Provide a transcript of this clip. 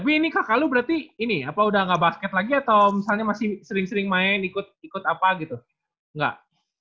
tapi ini kak kalu berarti ini apa udah gak basket lagi atau misalnya masih sering sering main ikut apa gitu enggak